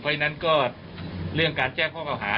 เพราะฉะนั้นก็เรื่องการแจ้งข้อเก่าหา